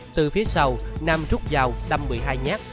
từ phía sau nam rút dao đâm một mươi hai nhát